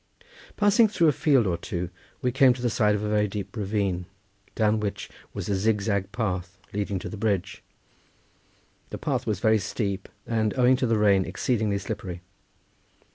Passing through a field or two we came to the side of a very deep ravine, down which there was a zigzag path leading to the bridge. The path was very steep, and, owing to the rain, exceedingly slippery.